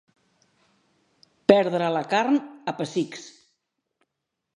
Perdre la carn a pessics.